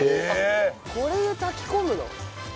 これで炊き込むの？